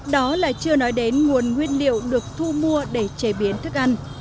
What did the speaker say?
đó là chưa nói đến nguồn nguyên liệu được thu mua để chế biến thức ăn